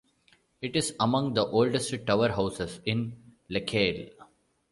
It is among the oldest tower houses in Lecale.